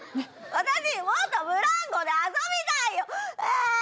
私もっとブランコで遊びたいよ！